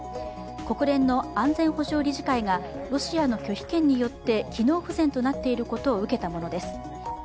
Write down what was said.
国連の安全保障理事会がロシアの拒否権によって機能不全となっていることを受けたものです。